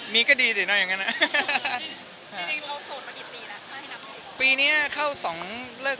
มีกระเป๋าตงแล้ว